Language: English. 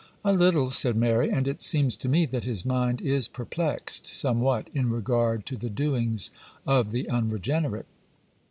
'A little,' said Mary; 'and it seems to me, that his mind is perplexed somewhat in regard to the doings of the unregenerate.